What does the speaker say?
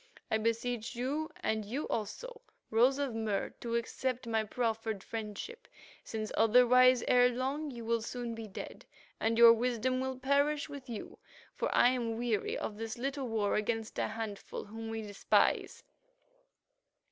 I beseech you, and you also, Rose of Mur, to accept my proffered friendship, since otherwise, ere long, you will soon be dead, and your wisdom will perish with you for I am weary of this little war against a handful whom we despise.